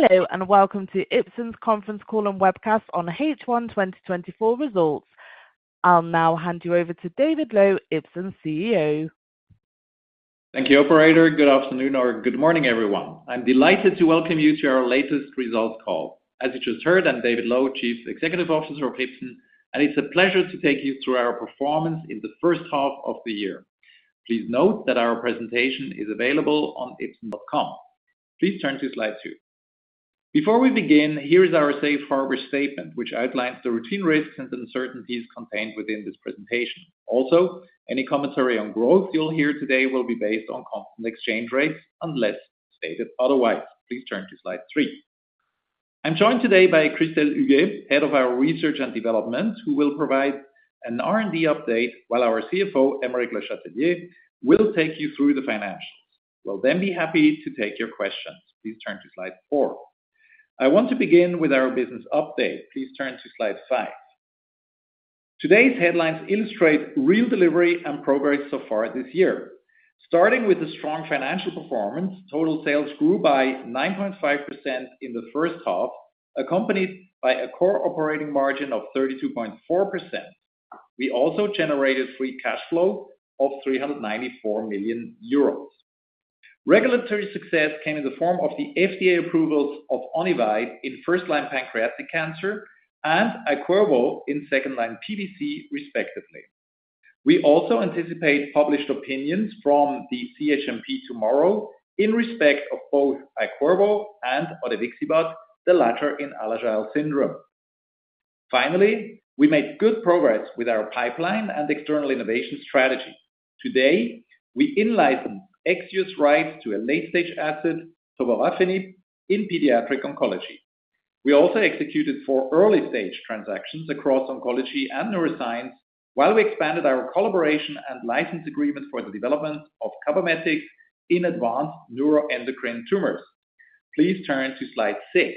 Hello, and welcome to Ipsen's Conference Call and Webcast on H1 2024 results. I'll now hand you over to David Loew, Ipsen's CEO. Thank you, Operator. Good afternoon or good morning, everyone. I'm delighted to welcome you to our latest results call. As you just heard, I'm David Loew, Chief Executive Officer of Ipsen, and it's a pleasure to take you through our performance in the first half of the year. Please note that our presentation is available on ipsen.com. Please turn to Slide two. Before we begin, here is our safe harbor statement, which outlines the routine risks and uncertainties contained within this presentation. Also, any commentary on growth you'll hear today will be based on constant exchange rates unless stated otherwise. Please turn to Slide three. I'm joined today by Christelle Huguet, Head of our Research and Development, who will provide an R&D update, while our CFO, Aymeric Le Chatelier, will take you through the financials. We'll then be happy to take your questions. Please turn to Slide four. I want to begin with our business update. Please turn to Slide five. Today's headlines illustrate real delivery and progress so far this year. Starting with the strong financial performance, total sales grew by 9.5% in the first half, accompanied by a core operating margin of 32.4%. We also generated free cash flow of 394 million euros. Regulatory success came in the form of the FDA approvals of Onivyde in first-line pancreatic cancer and Iqirvo in second-line PBC, respectively. We also anticipate published opinions from the CHMP tomorrow in respect of both Iqirvo and Bylvay, the latter in Alagille syndrome. Finally, we made good progress with our pipeline and external innovation strategy. Today, we in-licensed ex-US rights to a late-stage asset, tovorafenib, in pediatric oncology. We also executed four early-stage transactions across oncology and neuroscience while we expanded our collaboration and license agreements for the development of Cabometyx in advanced neuroendocrine tumors. Please turn to Slide six.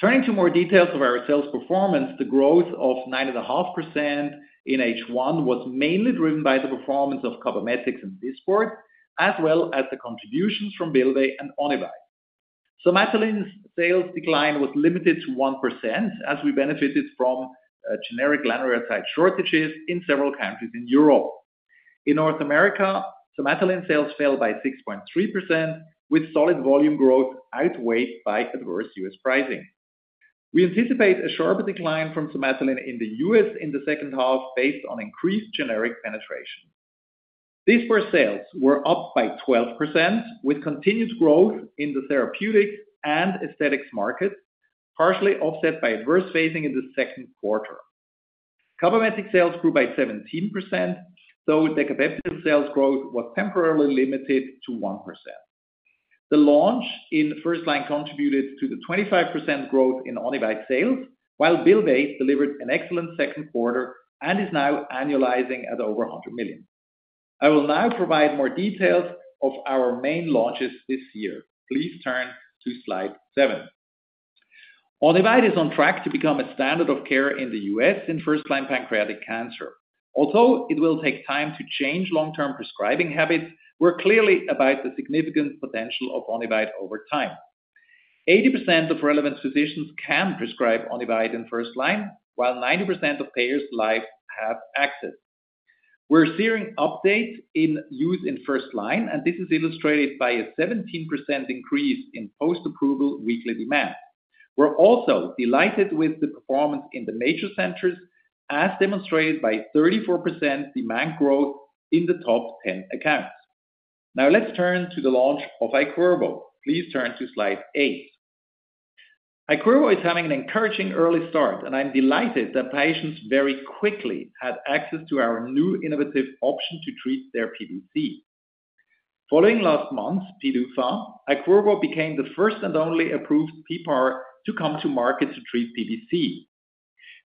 Turning to more details of our sales performance, the growth of 9.5% in H1 was mainly driven by the performance of Cabometyx and Dysport, as well as the contributions from Bylvay and Onivyde. Somatuline's sales decline was limited to 1%, as we benefited from generic lanreotide shortages in several countries in Europe. In North America, Somatuline sales fell by 6.3%, with solid volume growth outweighed by adverse US pricing. We anticipate a sharper decline from Somatuline in the US in the second half based on increased generic penetrations. Dysport sales were up by 12%, with continued growth in the therapeutic and aesthetics markets, partially offset by adverse phasing in Q2. Cabometyx sales grew by 17%, though Decapeptyl sales growth was temporarily limited to 1%. The launch in first line contributed to the 25% growth in Onivyde sales, while Bylvay delivered an excellent Q2 and is now annualizing at over 100 million. I will now provide more details of our main launches this year. Please turn to Slide seven. Onivyde is on track to become a standard of care in the US in first-line pancreatic cancer. Although it will take time to change long-term prescribing habits, we're clearly aware of the significant potential of Onivyde over time. 80% of relevant physicians can prescribe Onivyde in first line, while 90% of payers already have access. We're seeing update in use in first line, and this is illustrated by a 17% increase in post-approval weekly demand. We're also delighted with the performance in the major centers, as demonstrated by 34% demand growth in the top 10 accounts. Now, let's turn to the launch of Iqirvo. Please turn to Slide eight. Iqirvo is having an encouraging early start, and I'm delighted that patients very quickly had access to our new innovative option to treat their PBC. Following last month's PDUFA, Iqirvo became the first and only approved PPAR to come to market to treat PBC.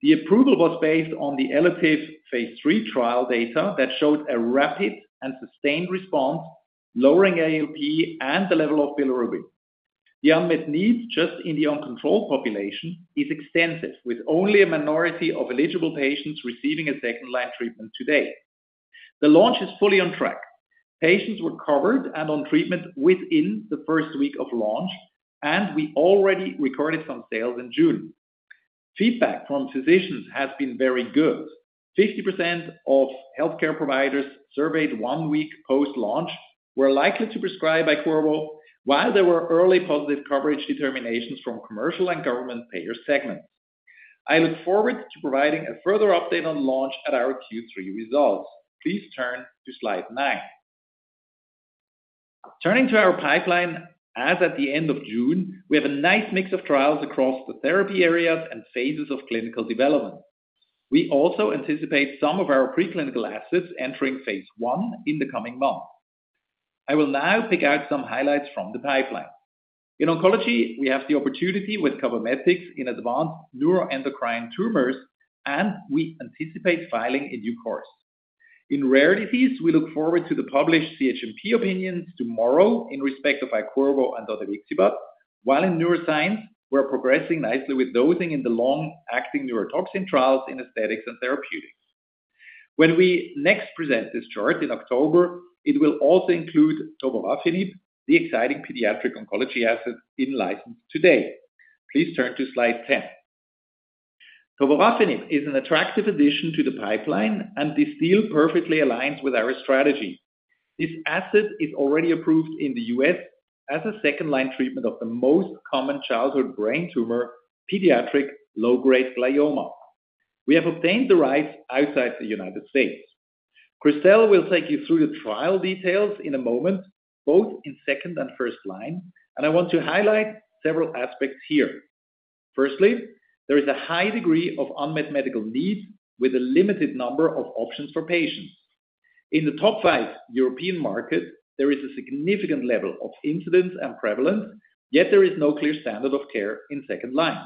The approval was based on the ELATIVE phase III trial data that showed a rapid and sustained response, lowering ALP and the level of bilirubin. The unmet need just in the uncontrolled population is extensive, with only a minority of eligible patients receiving a second-line treatment today. The launch is fully on track. Patients were covered and on treatment within the first week of launch, and we already recorded some sales in June. Feedback from physicians has been very good. 50% of healthcare providers surveyed one week post-launch were likely to prescribe Iqirvo, while there were early positive coverage determinations from commercial and government payer segments. I look forward to providing a further update on launch at our Q3 results. Please turn to slide nine. Turning to our pipeline, as at the end of June, we have a nice mix of trials across the therapy areas and phases of clinical development. We also anticipate some of our preclinical assets entering phase I in the coming month. I will now pick out some highlights from the pipeline. In oncology, we have the opportunity with Cabometyx in advanced neuroendocrine tumors, and we anticipate filing in due course. In rare disease, we look forward to the published CHMP opinions tomorrow in respect of Iqirvo and Bylvay, while in neuroscience, we're progressing nicely with dosing in the long-acting neurotoxin trials in aesthetics and therapeutics. When we next present this chart in October, it will also include tovorafenib, the exciting pediatric oncology asset in license today. Please turn to slide 10. tovorafenib is an attractive addition to the pipeline, and this deal perfectly aligns with our strategy. This asset is already approved in the US as a second-line treatment of the most common childhood brain tumor, pediatric low-grade glioma. We have obtained the rights outside the United States. Christelle will take you through the trial details in a moment, both in second and first line, and I want to highlight several aspects here. Firstly, there is a high degree of unmet medical needs with a limited number of options for patients. In the top five European markets, there is a significant level of incidence and prevalence, yet there is no clear standard of care in second line.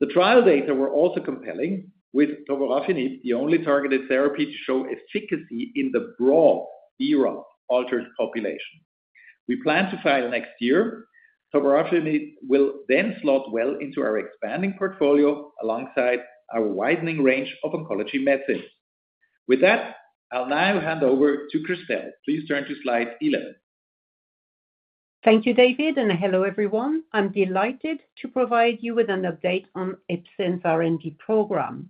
The trial data were also compelling, with tovorafenib the only targeted therapy to show efficacy in the broad BRAF-altered population. We plan to file next year. Tovorafenib will then slot well into our expanding portfolio alongside our widening range of oncology medicines. With that, I'll now hand over to Christelle. Please turn to slide 11. Thank you, David, and hello, everyone. I'm delighted to provide you with an update on Ipsen's R&D program.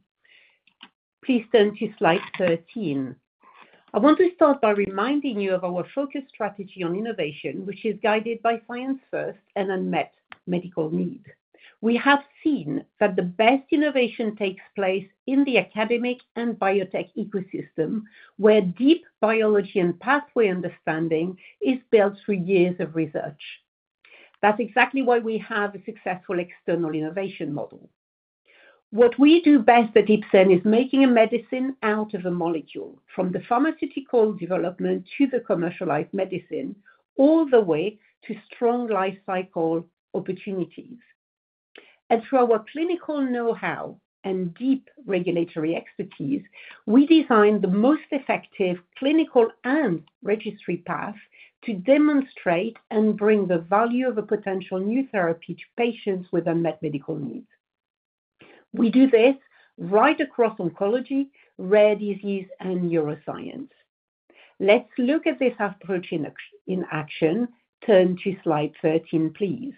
Please turn to slide 13. I want to start by reminding you of our focus strategy on innovation, which is guided by science first and unmet medical needs. We have seen that the best innovation takes place in the academic and biotech ecosystem, where deep biology and pathway understanding is built through years of research. That's exactly why we have a successful external innovation model. What we do best at Ipsen is making a medicine out of a molecule, from the pharmaceutical development to the commercialized medicine, all the way to strong life cycle opportunities. Through our clinical know-how and deep regulatory expertise, we design the most effective clinical and registry path to demonstrate and bring the value of a potential new therapy to patients with unmet medical needs. We do this right across oncology, rare disease, and neuroscience. Let's look at this approach in action. Turn to slide 13, please.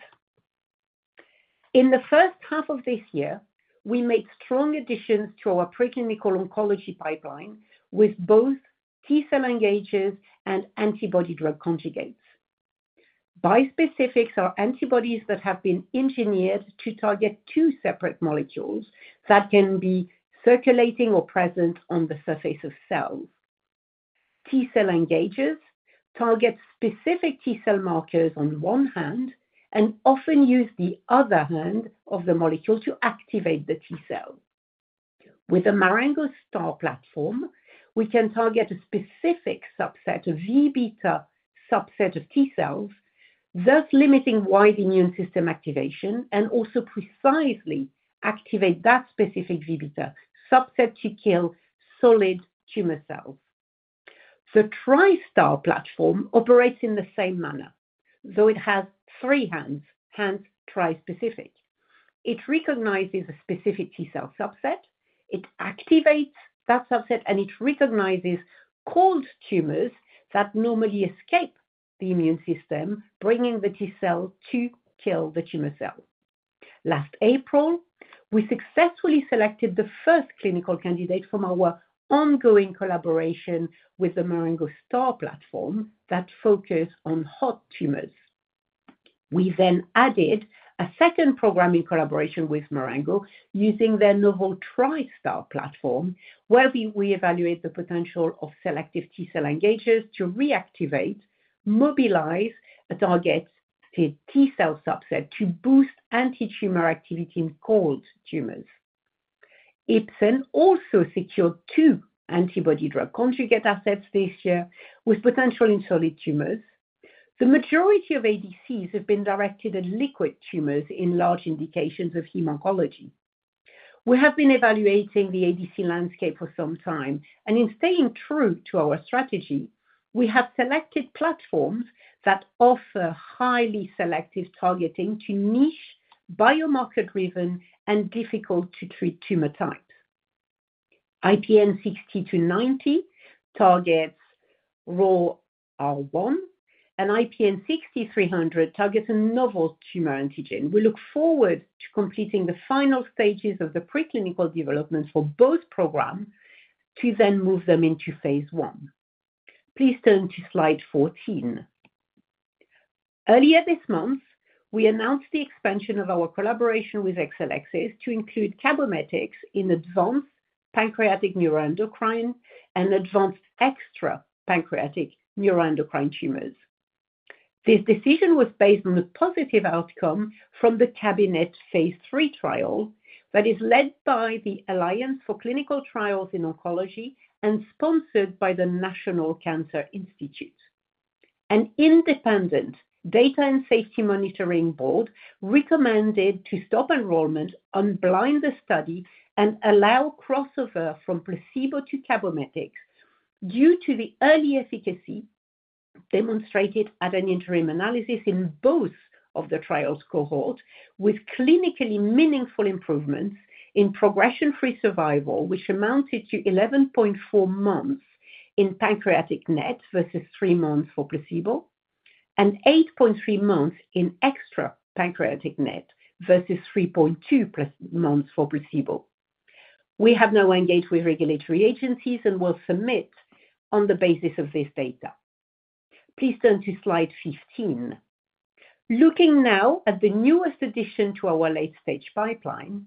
In the first half of this year, we made strong additions to our preclinical oncology pipeline with both T-cell engagers and antibody-drug conjugates. Bispecifics are antibodies that have been engineered to target two separate molecules that can be circulating or present on the surface of cells. T-cell engagers target specific T-cell markers on one hand and often use the other hand of the molecule to activate the T-cell. With a Marengo STAR platform, we can target a specific subset, a V beta subset of T-cells, thus limiting wide immune system activation and also precisely activate that specific V beta subset to kill solid tumor cells. The Tri-STAR platform operates in the same manner, though it has three hands, hands trispecific. It recognizes a specific T-cell subset, it activates that subset, and it recognizes cold tumors that normally escape the immune system, bringing the T-cell to kill the tumor cell. Last April, we successfully selected the first clinical candidate from our ongoing collaboration with the Marengo STAR platform that focused on hot tumors. We then added a second program in collaboration with Marengo using their novel Tri-STAR platform, where we evaluate the potential of selective T-cell engagers to reactivate, mobilize a targeted T-cell subset to boost anti-tumor activity in cold tumors. Ipsen also secured two antibody-drug conjugate assets this year with potential in solid tumors. The majority of ADCs have been directed at liquid tumors in large indications of hem-oncology. We have been evaluating the ADC landscape for some time, and in staying true to our strategy, we have selected platforms that offer highly selective targeting to niche, biomarker-driven, and difficult-to-treat tumor types. IPN60090 targets ROR1, and IPN60300 targets a novel tumor antigen. We look forward to completing the final stages of the preclinical development for both programs to move them into phase I. Please turn to slide 14. Earlier this month, we announced the expansion of our collaboration with Exelixis to include Cabometyx in advanced pancreatic neuroendocrine and advanced extrapancreatic neuroendocrine tumors. This decision was based on the positive outcome from the CABINET phase III trial that is led by the Alliance for Clinical Trials in Oncology and sponsored by the National Cancer Institute. An independent data and safety monitoring board recommended to stop enrollment, unblind the study, and allow crossover from placebo to Cabometyx due to the early efficacy demonstrated at an interim analysis in both of the trial's cohort, with clinically meaningful improvements in progression-free survival, which amounted to 11.4 months in pancreatic NET versus three months for placebo, and 8.3 month months in extrapancreatic NET versus 3.2 months for placebo. We have now engaged with regulatory agencies and will submit on the basis of this data. Please turn to slide 15. Looking now at the newest addition to our late-stage pipeline,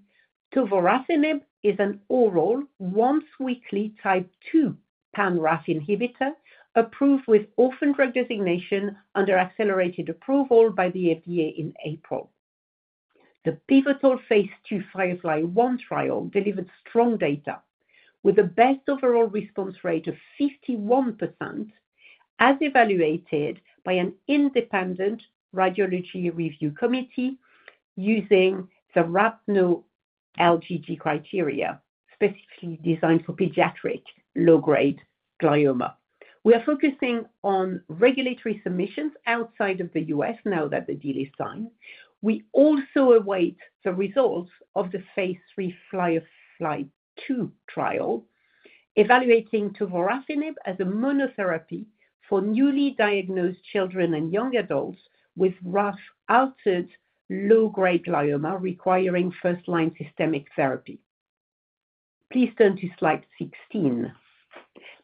tovorafenib is an oral once-weekly type two pan-RAF inhibitor approved with orphan drug designation under accelerated approval by the FDA in April. The pivotal phase II FIREFLY-1 trial delivered strong data, with a best overall response rate of 51%, as evaluated by an independent radiology review committee using the RAPNO LGG criteria, specifically designed for pediatric low-grade glioma. We are focusing on regulatory submissions outside of the U.S. now that the deal is signed. We also await the results of the phase III FIREFLY-2 trial, evaluating tovorafenib as a monotherapy for newly diagnosed children and young adults with RAF altered low-grade glioma requiring first-line systemic therapy. Please turn to slide 16.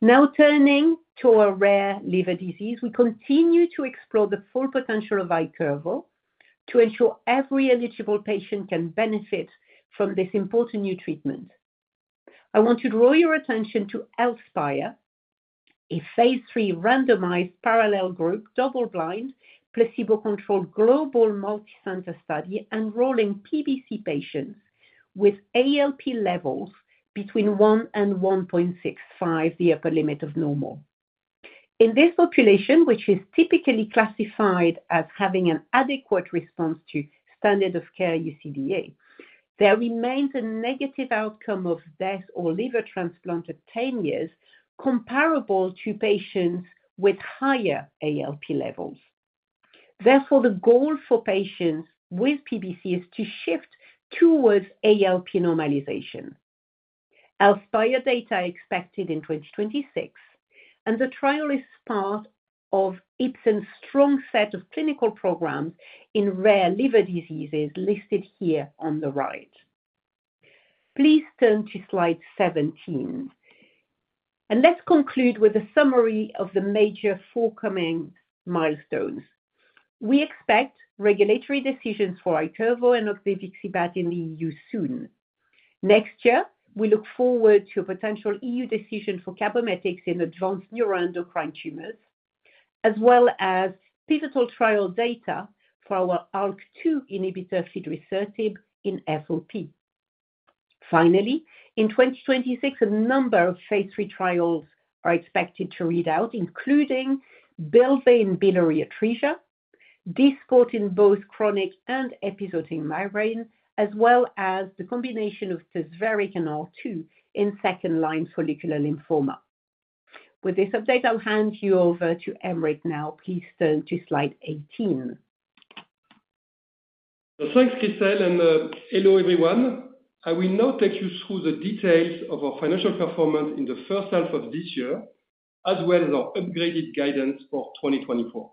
Now turning to our rare liver disease, we continue to explore the full potential of Iqirvo to ensure every eligible patient can benefit from this important new treatment. I want to draw your attention to ELSPIRE, a phase III randomized parallel group, double-blind, placebo-controlled global multicenter study enrolling PBC patients with ALP levels between 1 and 1.65, the upper limit of normal. In this population, which is typically classified as having an adequate response to standard of care UDCA, there remains a negative outcome of death or liver transplant at 10 years, comparable to patients with higher ALP levels. Therefore, the goal for patients with PBC is to shift towards ALP normalization. ELSPIRE data are expected in 2026, and the trial is part of Ipsen's strong set of clinical programs in rare liver diseases listed here on the right. Please turn to slide 17. Let's conclude with a summary of the major forthcoming milestones. We expect regulatory decisions for Iqirvo and odevixibat in the EU soon. Next year, we look forward to a potential EU decision for Cabometyx in advanced neuroendocrine tumors, as well as pivotal trial data for our ALK2 inhibitor fidrisertib in FOP. Finally, in 2026, a number of phase III trials are expected to read out, including Bylvay in biliary atresia, Dysport in both chronic and episodic migraine, as well as the combination of Tazverik and R2 in second-line follicular lymphoma. With this update, I'll hand you over to Aymeric now. Please turn to slide 18. Thanks, Christelle, and hello, everyone. I will now take you through the details of our financial performance in the first half of this year, as well as our upgraded guidance for 2024.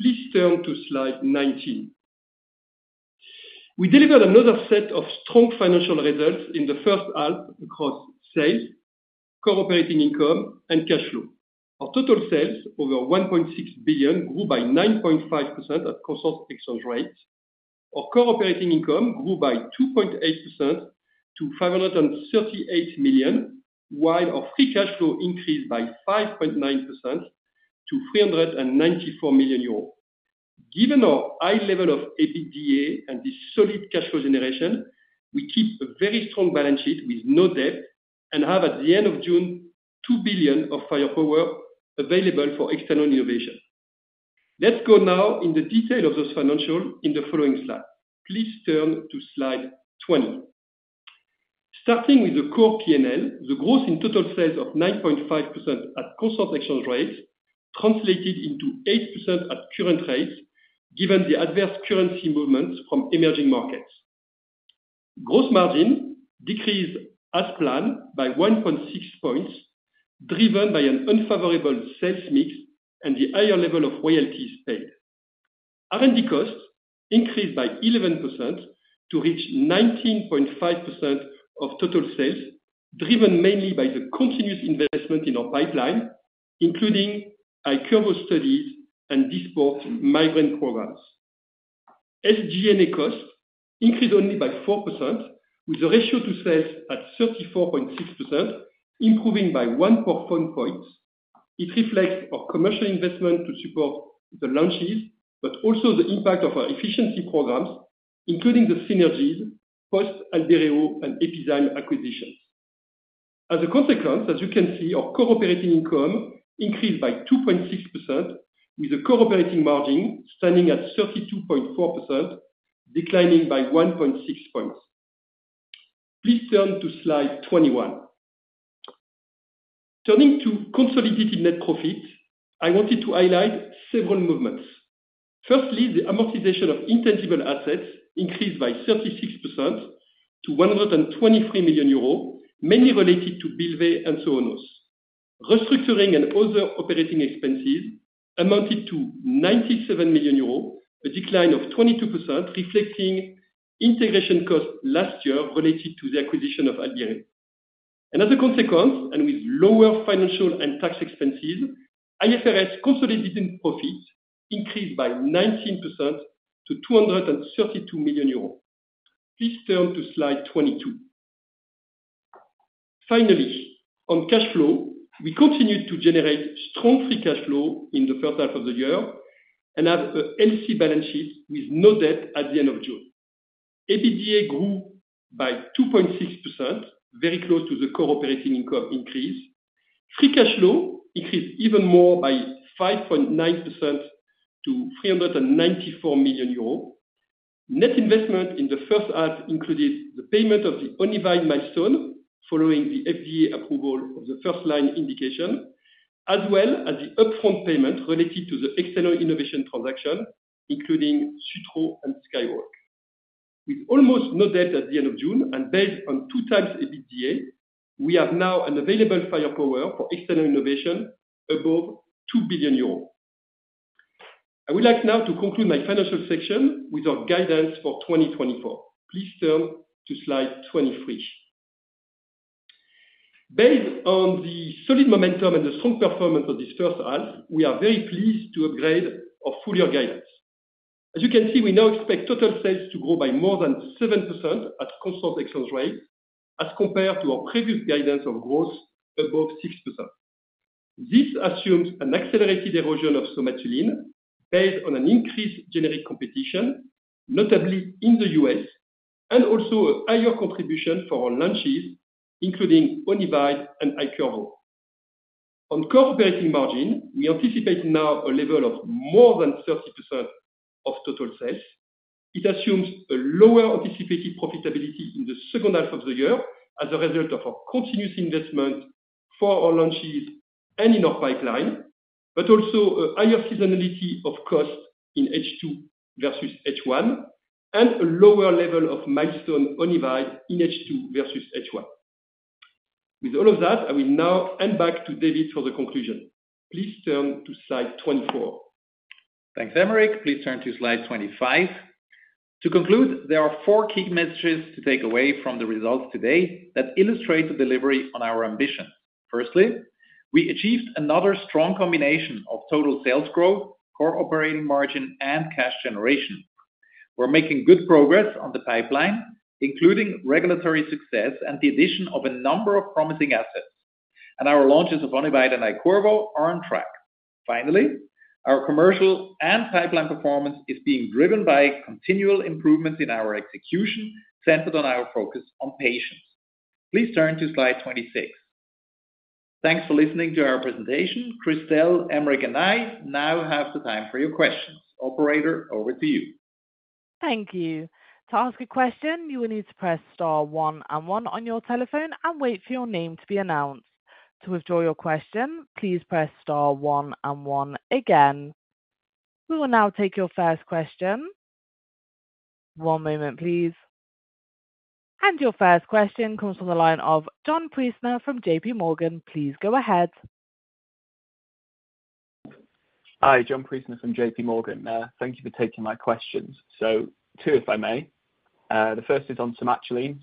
Please turn to slide 19. We delivered another set of strong financial results in the first half across sales, core operating income, and cash flow. Our total sales over 1.6 billion grew by 9.5% at constant exchange rate. Our core operating income grew by 2.8% to 538 million, while our free cash flow increased by 5.9% to 394 million euros. Given our high level of EBITDA and this solid cash flow generation, we keep a very strong balance sheet with no debt and have, at the end of June, 2 billion of firepower available for external innovation. Let's go now into the detail of those financials in the following slide. Please turn to Slide 20. Starting with the core P&L, the growth in total sales of 9.5% at constant exchange rates translated into 8% at current rates, given the adverse currency movements from emerging markets. Gross margin decreased as planned by 1.6 points, driven by an unfavorable sales mix and the higher level of royalties paid. R&D costs increased by 11% to reach 19.5% of total sales, driven mainly by the continuous investment in our pipeline, including Iqirvo studies and Dysport migraine programs. SG&A costs increased only by 4%, with the ratio to sales at 34.6%, improving by 1.4 points. It reflects our commercial investment to support the launches, but also the impact of our efficiency programs, including the synergies, Post-Albireo and Epizyme acquisitions. As a consequence, as you can see, our core operating income increased by 2.6%, with the core operating margin standing at 32.4%, declining by 1.6 points. Please turn to Slide 21. Turning to consolidated net profit, I wanted to highlight several movements. Firstly, the amortization of intangible assets increased by 36% to 123 million euros, mainly related to Bylvay and Somatuline. Restructuring and other operating expenses amounted to 97 million euros, a decline of 22%, reflecting integration costs last year related to the acquisition of Albireo. As a consequence, and with lower financial and tax expenses, IFRS consolidated profits increased by 19% to 232 million euros. Please turn to Slide 22. Finally, on cash flow, we continued to generate strong free cash flow in the first half of the year and have a solid balance sheet with no debt at the end of June. EBITDA grew by 2.6%, very close to the core operating income increase. Free cash flow increased even more by 5.9% to 394 million euros. Net investment in the first half included the payment of the Onivyde milestone following the FDA approval of the first-line indication, as well as the upfront payment related to the external innovation transaction, including Sutro and Skyhawk. With almost no debt at the end of June and based on 2x EBITDA, we have now an available firepower for external innovation above 2 billion euros. I would like now to conclude my financial section with our guidance for 2024. Please turn to Slide 23. Based on the solid momentum and the strong performance of this first half, we are very pleased to upgrade our full year guidance. As you can see, we now expect total sales to grow by more than 7% at constantexchange rate, as compared to our previous guidance of growth above 6%. This assumes an accelerated erosion of Somatuline based on an increased generic competition, notably in the US, and also a higher contribution for our launches, including Onivyde and Iqirvo. On Core Operating Margin, we anticipate now a level of more than 30% of total sales. It assumes a lower anticipated profitability in the second half of the year as a result of our continuous investment for our launches and in our pipeline, but also a higher seasonality of costs in H2 versus H1 and a lower level of milestone Onivyde in H2 versus H1. With all of that, I will now hand back to David for the conclusion. Please turn to Slide 24. Thanks, Aymeric. Please turn to Slide 25. To conclude, there are four key messages to take away from the results today that illustrate the delivery on our ambitions. Firstly, we achieved another strong combination of total sales growth, core operating margin, and cash generation. We're making good progress on the pipeline, including regulatory success and the addition of a number of promising assets. Our launches of Onivyde and Iqirvo are on track. Finally, our commercial and pipeline performance is being driven by continual improvements in our execution centered on our focus on patients. Please turn to Slide 26. Thanks for listening to our presentation. Christelle, Aymeric, and I now have the time for your questions. Operator, over to you. Thank you. To ask a question, you will need to press star one and one on your telephone and wait for your name to be announced. To withdraw your question, please press star one and one again. We will now take your first question. One moment, please. Your first question comes from the line of John Priestner from JPMorgan. Please go ahead. Hi, John Priestner from JPMorgan. Thank you for taking my questions. Two, if I may. The first is on Somatuline.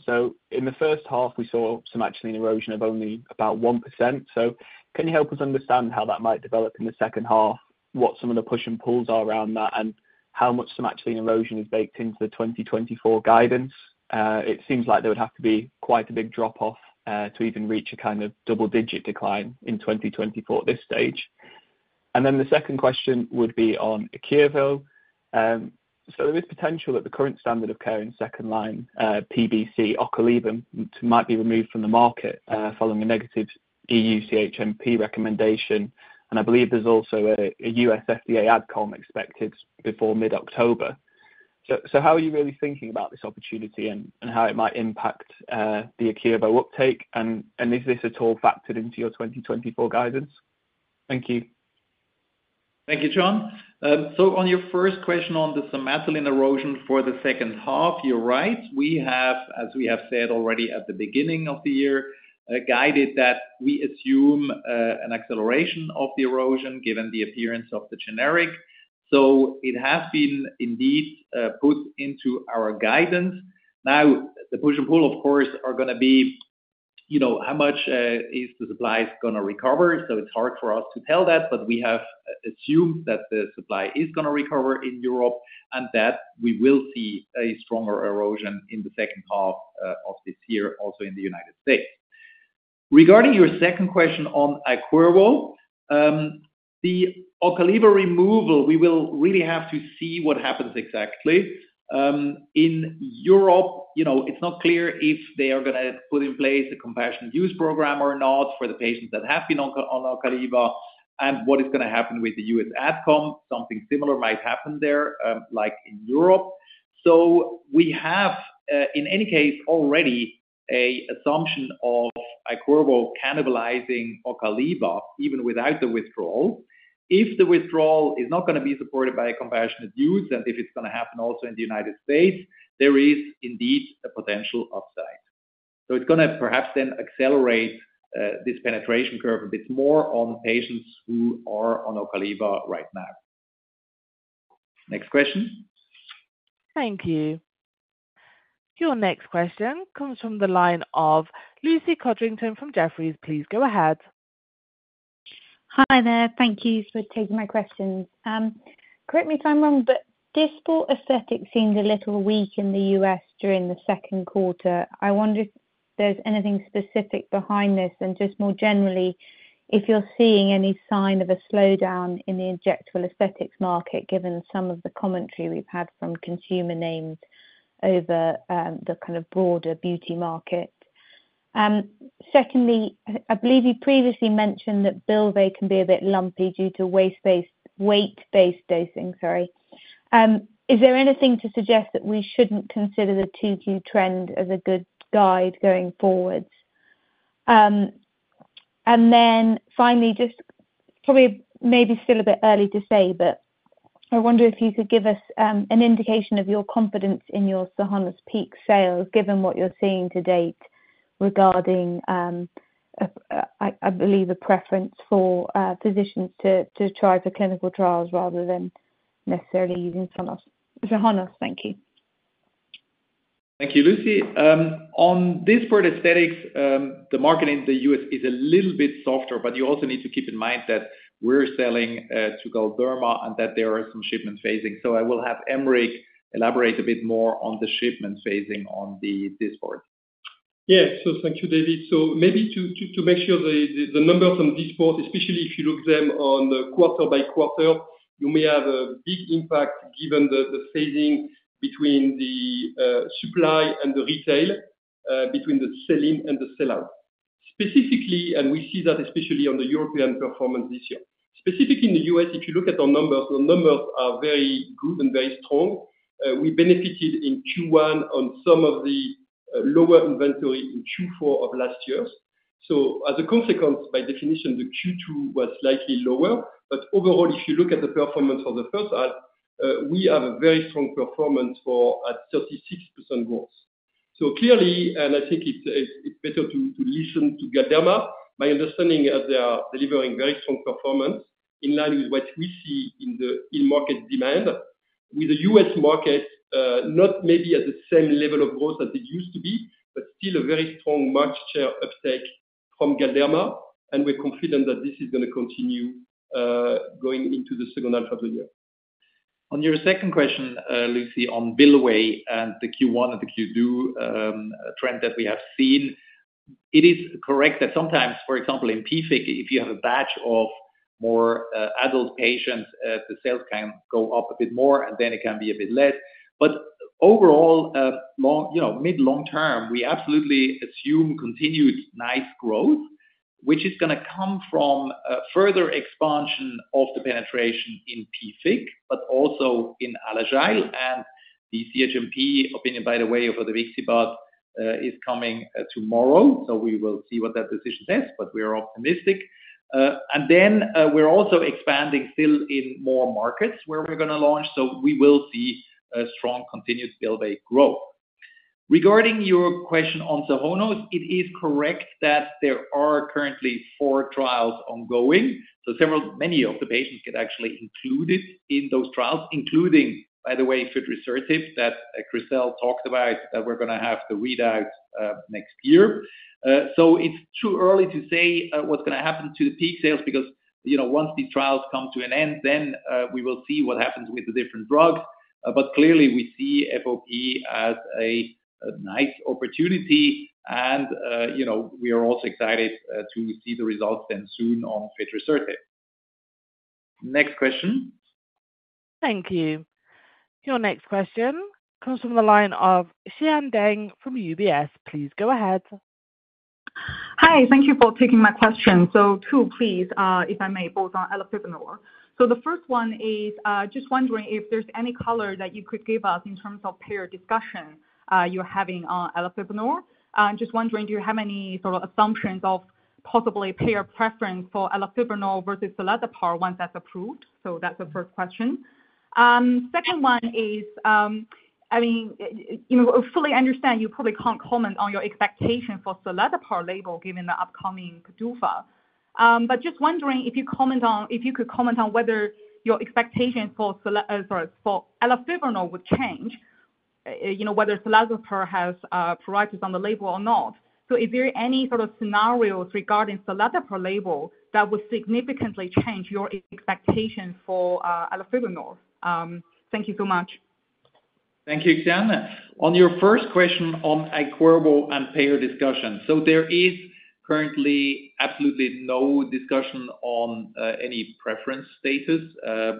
In the first half, we saw Somatuline erosion of only about 1%. Can you help us understand how that might develop in the second half, what some of the push and pulls are around that, and how much Somatuline erosion is baked into the 2024 guidance? It seems like there would have to be quite a big drop-off to even reach a kind of double-digit decline in 2024 at this stage. The second question would be on Iqirvo. There is potential that the current standard of care in second-line, PBC, Ocaliva, might be removed from the market following a negative EU CHMP recommendation. I believe there's also a US FDA adcom expected before mid-October. How are you really thinking about this opportunity and how it might impact the Iqirvo uptake? Is this at all factored into your 2024 guidance? Thank you. Thank you, John. On your first question on the Somatuline erosion for the second half, you're right. We have, as we have said already at the beginning of the year, guided that we assume an acceleration of the erosion given the appearance of the generic. It has been indeed put into our guidance. Now, the push and pull, of course, are going to be how much is the supply going to recover? It's hard for us to tell that, but we have assumed that the supply is going to recover in Europe and that we will see a stronger erosion in the second half of this year, also in the United States. Regarding your second question on Iqirvo, the Ocaliva removal, we will really have to see what happens exactly. In Europe, it's not clear if they are going to put in place a compassionate use program or not for the patients that have been on Ocaliva and what is going to happen with the U.S. adcom. Something similar might happen there, like in Europe. We have, in any case, already an assumption of Iqirvo cannibalizing Ocaliva even without the withdrawal. If the withdrawal is not going to be supported by compassionate use and if it's going to happen also in the United States, there is indeed a potential upside. It's going to perhaps then accelerate this penetration curve a bit more on patients who are on Ocaliva right now. Next question. Thank you. Your next question comes from the line of Lucy Codrington from Jefferies. Please go ahead. Hi there. Thank you for taking my questions. Correct me if I'm wrong, but Dysport aesthetics seemed a little weak in the US during Q2. I wonder if there's anything specific behind this and just more generally, if you're seeing any sign of a slowdown in the injectable aesthetics market, given some of the commentary we've had from consumer names over the kind of broader beauty market. Secondly, I believe you previously mentioned that Bylvay can be a bit lumpy due to weight-based dosing. Sorry. Is there anything to suggest that we shouldn't consider the Q2 trend as a good guide going forwards? Finally, just probably maybe still a bit early to say, but I wonder if you could give us an indication of your confidence in your Somatuline peak sales, given what you're seeing to date regarding, I believe, a preference for physicians to try for clinical trials rather than necessarily using Somatuline. Thank you. Thank you, Lucy. On Dysport aesthetics, the market in the U.S. is a little bit softer, but you also need to keep in mind that we're selling to Galderma and that there are some shipment phasing. I will have Aymeric elaborate a bit more on the shipment phasing on the Dysport. Thank you, David. Maybe to make sure the numbers on Dysport, especially if you look at them on quarter by quarter, you may have a big impact given the phasing between the supply and the retail, between the sell-in and the sell-out. Specifically, and we see that especially on the European performance this year. Specifically in the US, if you look at our numbers, the numbers are very good and very strong. We benefited in Q1 on some of the lower inventory in Q4 of last year. As a consequence, by definition, the Q2 was slightly lower. But overall, if you look at the performance for the first half, we have a very strong performance for at 36% growth. Clearly, and I think it's better to listen to Galderma, my understanding is they are delivering very strong performance in line with what we see in the in-market demand, with the US market not maybe at the same level of growth as it used to be, but still a very strong market share uptake from Galderma. We're confident that this is going to continue going into the second half of the year. On your second question, Lucy, on Bylvay and the Q1 and the Q2 trend that we have seen, it is correct that sometimes, for example, in PFIC, if you have a batch of more adult patients, the sales can go up a bit more and then it can be a bit less. But overall, mid-long term, we absolutely assume continued nice growth, which is going to come from further expansion of the penetration in PFIC, but also in Alagille. The CHMP opinion, by the way, for the Bylvay is coming tomorrow. We will see what that decision says, but we are optimistic. We're also expanding still in more markets where we're going to launch. We will see strong continued Bylvay growth. Regarding your question on Somatuline, it is correct that there are currently four trials ongoing. Many of the patients get actually included in those trials, including, by the way, fidrisertib that Christelle talked about that we're going to have to read out next year. It's too early to say what's going to happen to the peak sales because once these trials come to an end, then we will see what happens with the different drugs. Clearly, we see FOP as a nice opportunity. We are also excited to see the results then soon on fidrisertib. Next question. Thank you. Your next question comes from the line of Xian Deng from UBS. Please go ahead. Hi. Thank you for taking my question. Two, please, if I may, both on elafibranor. The first one is just wondering if there's any color that you could give us in terms of payer discussion you're having on elafibranor. Just wondering, do you have any sort of assumptions of possibly payer preference for elafibranor versus seladelpar once that's approved? That's the first question. Second one is, fully understand you probably can't comment on your expectation for seladelpar label given the upcoming PDUFA. Just wondering if you could comment on whether your expectation for elafibranor would change, whether seladelpar has pruritus on the label or not. Is there any sort of scenarios regarding seladelpar label that would significantly change your expectation for elafibranor? Thank you so much. Thank you, Xian Deng. On your first question on Iqirvo and P&R discussion, there is currently absolutely no discussion on any preference status.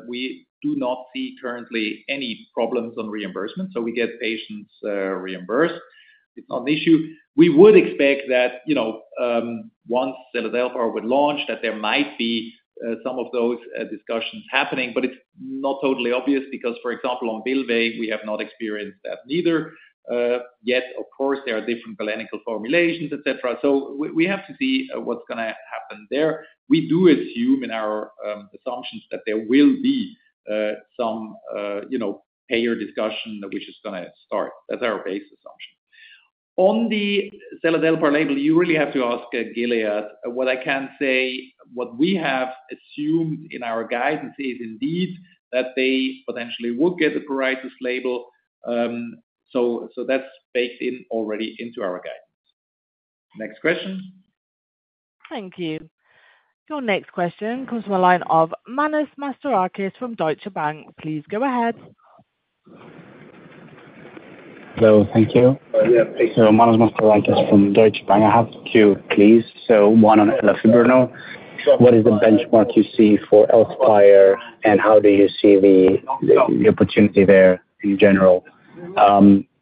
We do not see currently any problems on reimbursement. We get patients reimbursed. It's not an issue. We would expect that once seladelpar would launch, that there might be some of those discussions happening, but it's not totally obvious because, for example, on Bylvay, we have not experienced that neither. Yet, of course, there are different galenical formulations, etc. We have to see what's going to happen there. We do assume in our assumptions that there will be some P&R discussion, which is going to start. That's our base assumption. On the seladelpar label, you really have to ask Gilead. What I can say, what we have assumed in our guidance is indeed that they potentially would get the pruritus label. That's baked in already into our guidance. Next question. Thank you. Your next question comes from the line of Manos Mastorakis from Deutsche Bank. Please go ahead. Hello. Thank you. Manos Mastorakis from Deutsche Bank. I have two, please. One on elafibranor. What is the benchmark you see for seladelpar and how do you see the opportunity there in general?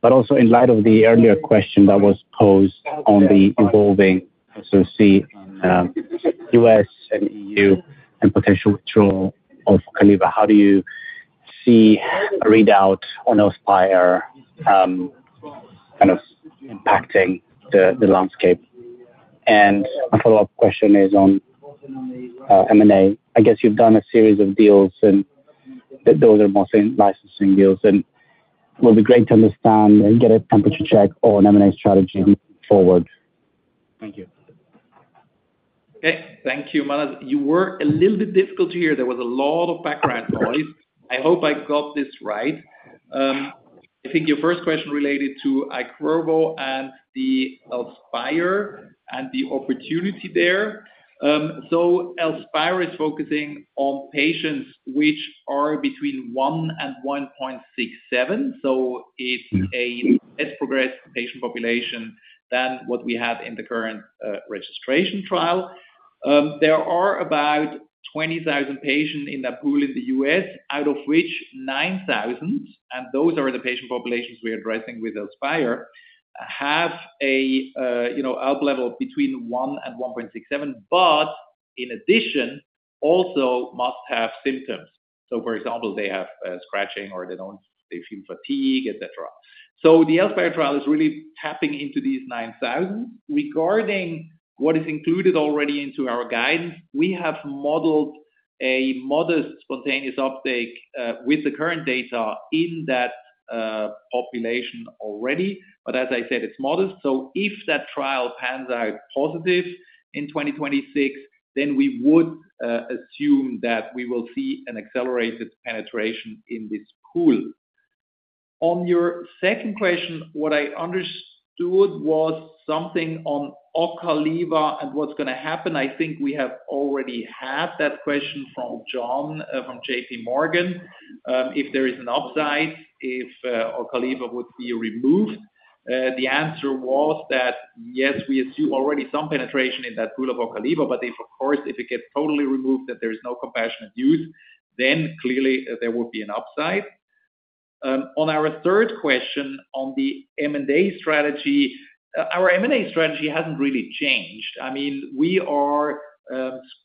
Also in light of the earlier question that was posed on the evolving, so see US and EU and potential withdrawal of Ocaliva, how do you see a readout on seladelpar kind of impacting the landscape? My follow-up question is on M&A. I guess you've done a series of deals and those are mostly licensing deals. And it will be great to understand and get a temperature check on M&A strategy moving forward. Thank you. Okay. Thank you, Manos. You were a little bit difficult to hear. There was a lot of background noise. I hope I got this right. I think your first question related to Iqirvo and the ELSPIRE and the opportunity there. ELSPIRE is focusing on patients which are between 1 and 1.67. So it's a less progressed patient population than what we had in the current registration trial. There are about 20,000 patients in that pool in the US, out of which 9,000, and those are the patient populations we're addressing with ELSPIRE, have an ALP level between 1 and 1.67, but in addition, also must have symptoms. For example, they have scratching or they feel fatigue, etc. So the ELSPIRE trial is really tapping into these 9,000. Regarding what is included already into our guidance, we have modeled a modest spontaneous uptake with the current data in that population already. As I said, it's modest. If that trial pans out positive in 2026, then we would assume that we will see an accelerated penetration in this pool. On your second question, what I understood was something on Ocaliva and what's going to happen. I think we have already had that question from John from JPMorgan, if there is an upside, if Ocaliva would be removed. The answer was that yes, we assume already some penetration in that pool of Ocaliva, but if, of course, if it gets totally removed, that there is no compassionate use, then clearly there would be an upside. On our third question on the M&A strategy, our M&A strategy hasn't really changed. We are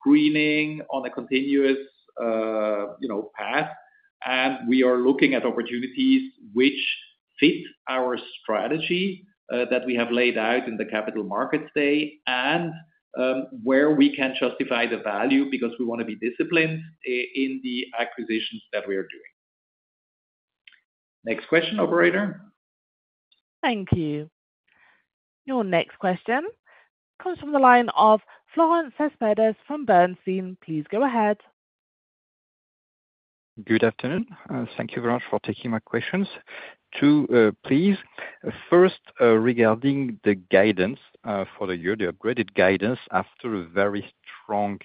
screening on a continuous path and we are looking at opportunities which fit our strategy that we have laid out in the Capital Markets Day and where we can justify the value because we want to be disciplined in the acquisitions that we are doing. Next question, operator. Thank you. Your next question comes from the line of Florent Cespedes from Bernstein. Please go ahead. Good afternoon. Thank you very much for taking my questions. two, please. First, regarding the guidance for the year, the upgraded guidance after a very strong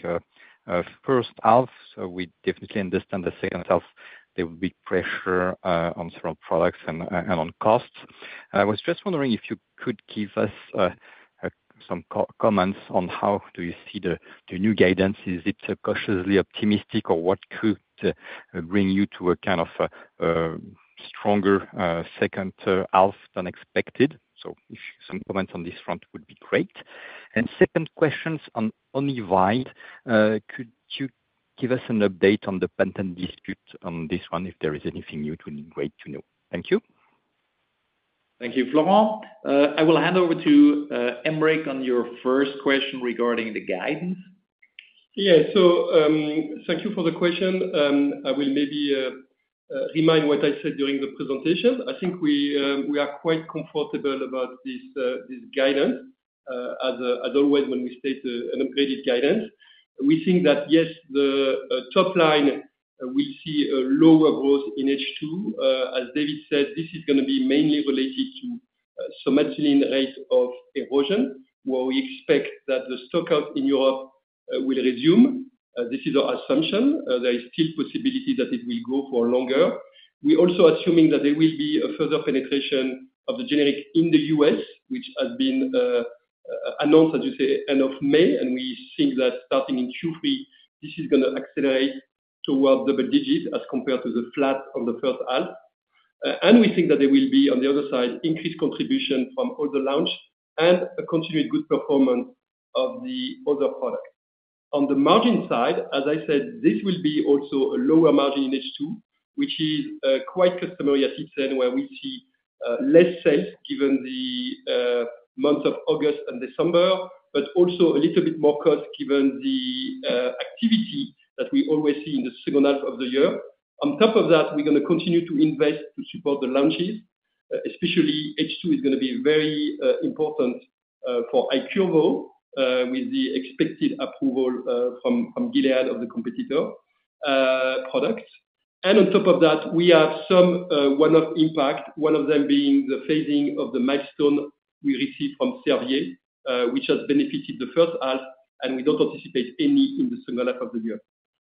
first half. We definitely understand the second half, there will be pressure on several products and on costs. I was just wondering if you could give us some comments on how do you see the new guidance. Is it cautiously optimistic or what could bring you to a kind of stronger second half than expected? So some comments on this front would be great. Second question on Onivyde, could you give us an update on the patent dispute on this one? If there is anything new, it would be great to know. Thank you. Thank you, Florent. I will hand over to Aymeric on your first question regarding the guidance. Thank you for the question. I will maybe remind what I said during the presentation. I think we are quite comfortable about this guidance. As always, when we state an upgraded guidance, we think that yes, the top line will see a lower growth in H2. As David said, this is going to be mainly related to Somatuline rate of erosion, where we expect that the stockout in Europe will resume. This is our assumption. There is still possibility that it will go for longer. We also are assuming that there will be a further penetration of the generic in the US, which has been announced, as you say, end of May. We think that starting in Q3, this is going to accelerate towards double digits as compared to the flat of the first half. We think that there will be, on the other side, increased contribution from all the launch and a continued good performance of the other products. On the margin side, as I said, this will be also a lower margin in H2, which is quite customary at Ipsen, where we see less sales given the months of August and December, but also a little bit more cost given the activity that we always see in the second half of the year. On top of that, we're going to continue to invest to support the launches. Especially H2 is going to be very important for Iqirvo with the expected approval from Gilead of the competitor products. On top of that, we have some one-off impact, one of them being the phasing of the milestone we received from Servier, which has benefited the first half, and we don't anticipate any in the second half of the year.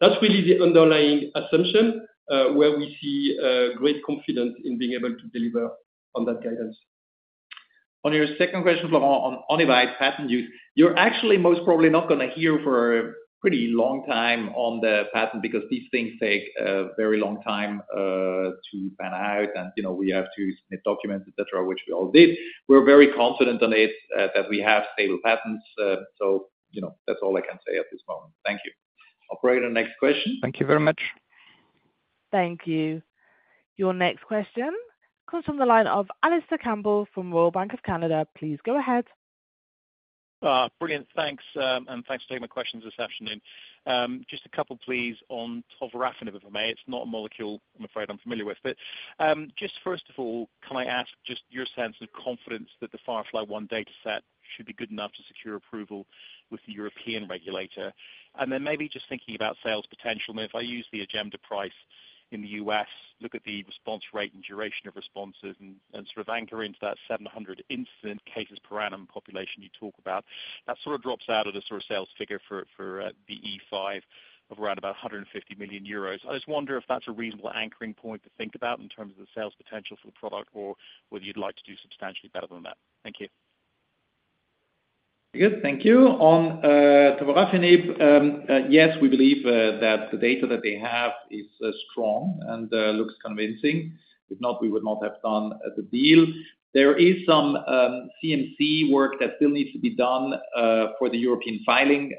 That's really the underlying assumption where we see great confidence in being able to deliver on that guidance. On your second question, Florent, on Onivyde patent use, you're actually most probably not going to hear for a pretty long time on the patent because these things take a very long time to pan out and we have to submit documents, etc., which we all did. We're very confident on it that we have stable patents. That's all I can say at this moment. Thank you. Operator, next question. Thank you very much. Thank you. Your next question comes from the line of Alastair Campbell from RBC Capital Markets. Please go ahead. Brilliant. Thanks. And thanks for taking my questions this afternoon. Just a couple, please, on tovorafenib, if I may. It's not a molecule I'm afraid I'm familiar with. Just first of all, can I ask just your sense of confidence that the Firefly One dataset should be good enough to secure approval with the European regulator? Just thinking about sales potential. If I use the Ojemda price in the US, look at the response rate and duration of responses and sort of anchor into that 700 incident cases per annum population you talk about, that sort of drops out of the sort of sales figure for the E5 of around about 150 million euros. I just wonder if that's a reasonable anchoring point to think about in terms of the sales potential for the product or whether you'd like to do substantially better than that. Thank you. Good. Thank you. On tovorafenib, yes, we believe that the data that they have is strong and looks convincing. If not, we would not have done the deal. There is some CMC work that still needs to be done for the European filing.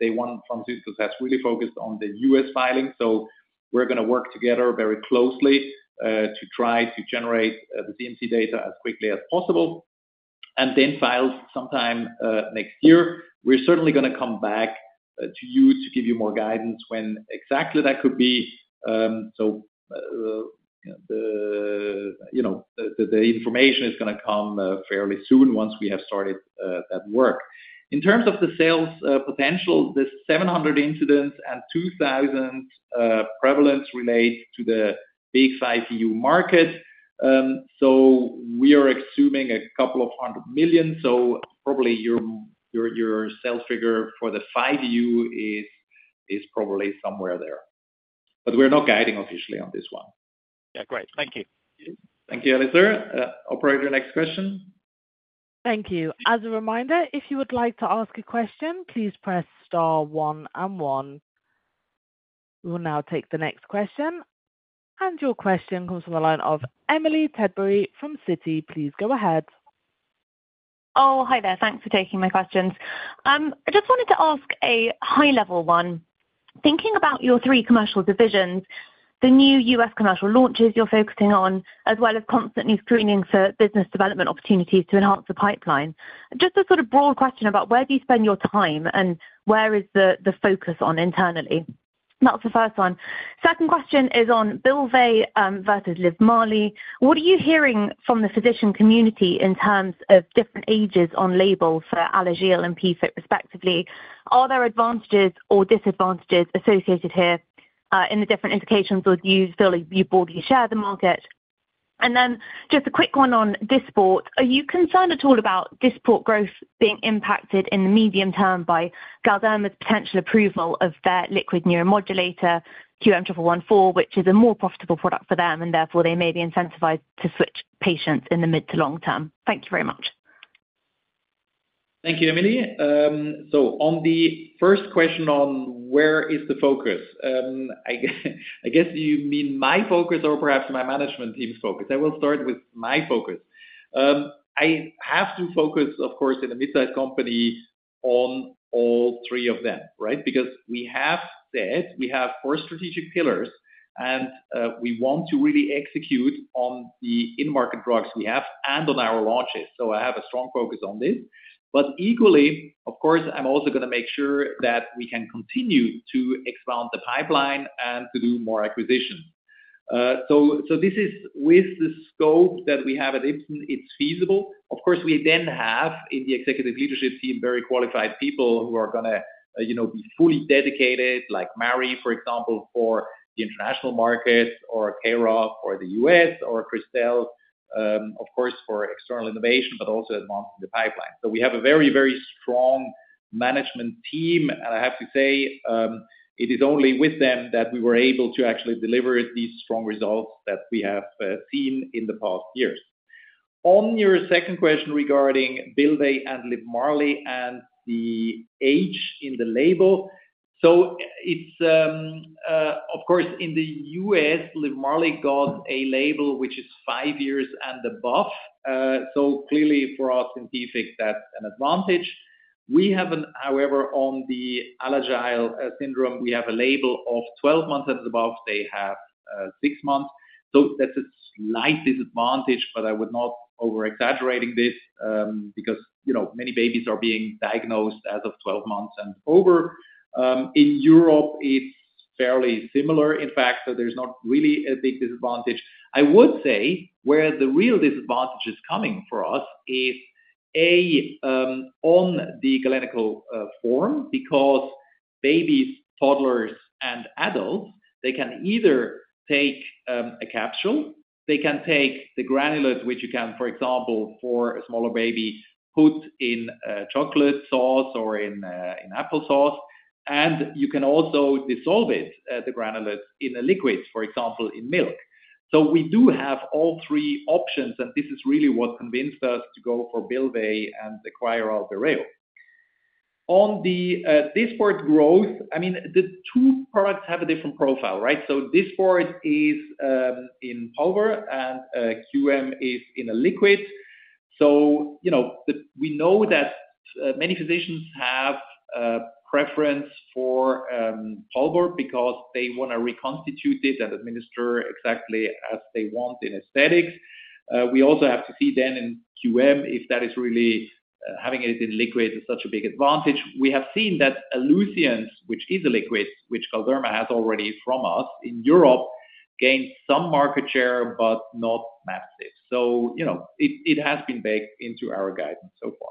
Day One Biopharmaceuticals has really focused on the U.S. filing. We're going to work together very closely to try to generate the CMC data as quickly as possible and then file sometime next year. We're certainly going to come back to you to give you more guidance when exactly that could be. So the information is going to come fairly soon once we have started that work. In terms of the sales potential, the 700 incidents and 2,000 prevalence relate to the big five EU markets. We are assuming a couple of hundred million EUR. Probably your sales figure for the five EU is probably somewhere there. But we're not guiding officially on this one. Great. Thank you. Thank you, Alastair. Operator, next question. Thank you. As a reminder, if you would like to ask a question, please press star one and one. We will now take the next question. Your question comes from the line of Emily Field from Barclays. Please go ahead. Oh, hi there. Thanks for taking my questions. I just wanted to ask a high-level one. Thinking about your three commercial divisions, the new US commercial launches you're focusing on, as well as constantly screening for business development opportunities to enhance the pipeline. Just a sort of broad question about where do you spend your time and where is the focus on internally? That's the first one. Second question is on Bylvay versus Livmarli. What are you hearing from the physician community in terms of different indications on label for Alagille and PFIC respectively? Are there advantages or disadvantages associated here in the different indications? Would you feel you broadly share the market? Just a quick one on Dysport. Are you concerned at all about Dysport growth being impacted in the medium term by Galderma's potential approval of their liquid neuromodulator, QM1114, which is a more profitable product for them, and therefore they may be incentivized to switch patients in the mid to long term? Thank you very much. Thank you, Emily. On the first question on where is the focus, I guess you mean my focus or perhaps my management team's focus? I will start with my focus. I have to focus, of course, in a mid-size company on all three of them, right? Because we have said we have four strategic pillars and we want to really execute on the in-market drugs we have and on our launches. I have a strong focus on this. Equally, of course, I'm also going to make sure that we can continue to expand the pipeline and to do more acquisitions. This is with the scope that we have at Ipsen, it's feasible. Of course, we then have in the executive leadership team very qualified people who are going to be fully dedicated, like Mari, for example, for the international markets or Stewart or the US or Christelle, of course, for external innovation, but also advancing the pipeline. We have a very, very strong management team. I have to say it is only with them that we were able to actually deliver these strong results that we have seen in the past years. On your second question regarding Bylvay and Livmarli and the age in the label, so it's, of course, in the US, Livmarli got a label which is five years and above. Clearly for us in PFIC, that's an advantage. We haven't, however, on the Alagille syndrome, we have a label of 12 months and above. They have six months. That's a slight disadvantage, but I would not over-exaggerate this because many babies are being diagnosed as of 12 months and over. In Europe, it's fairly similar, in fact. There's not really a big disadvantage. I would say where the real disadvantage is coming for us is on the granulate form because babies, toddlers, and adults, they can either take a capsule, they can take the granulate, which you can, for example, for a smaller baby, put in chocolate sauce or in apple sauce, and you can also dissolve it, the granulate, in a liquid, for example, in milk. We do have all three options, and this is really what convinced us to go for Bylvay and the Alagille. On the Dysport growth, the two products have a different profile, right? Dysport is in powder and QM is in a liquid. We know that many physicians have a preference for powder because they want to reconstitute it and administer exactly as they want in aesthetics. We also have to see then in QM if that is really having it in liquid is such a big advantage. We have seen that Alluzience, which is a liquid, which Galderma has already from us in Europe, gained some market share, but not massive. It has been baked into our guidance so far.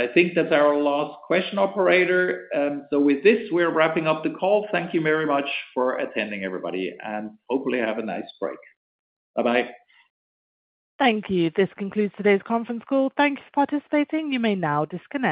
I think that's our last question, operator. With this, we're wrapping up the call. Thank you very much for attending, everybody, and hopefully have a nice break. Bye-bye. Thank you. This concludes today's conference call. Thank you for participating. You may now disconnect.